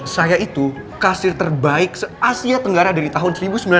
saya itu kasir terbaik se asia tenggara dari tahun seribu sembilan ratus sembilan puluh